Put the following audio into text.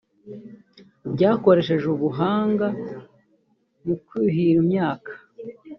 byakoresheje ubuhanga mu kuhira imyaka